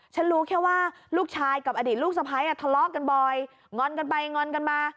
ฉันรู้แค่ว่าลูกชายกับอดีตลูกสะพ้ายทะเลาะกันบ่อยงอนกันไปงอนกันมา